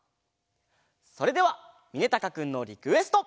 それではみねたかくんのリクエスト！